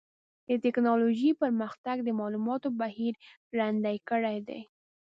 د ټکنالوجۍ پرمختګ د معلوماتو بهیر ګړندی کړی دی.